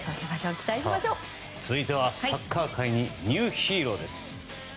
続いてはサッカー界にニューヒーローです。